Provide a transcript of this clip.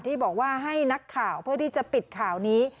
ที่บอกว่าให้นักข่าวเพื่อที่จะปิดข่าวนี้